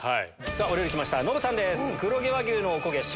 お料理来ましたノブさんです。